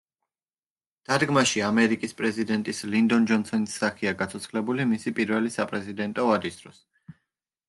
დადგმაში ამერიკის პრეზიდენტის ლინდონ ჯონსონის სახეა გაცოცხლებული მისი პირველი საპრეზიდენტო ვადის დროს.